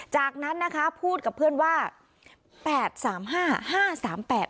จากนั้นนะคะพูดกับเพื่อนว่าแปดสามห้าห้าสามแปด